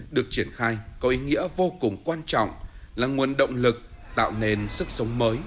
được triển khai có ý nghĩa vô cùng quan trọng là nguồn động lực tạo nên sức sống mới